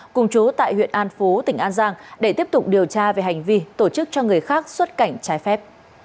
cùng chú tại huyện an phú tỉnh an giang để tiếp tục điều tra về hành vi tổ chức cho người khác xuất cảnh trái phép